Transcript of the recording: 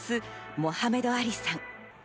モハメド・アリさん。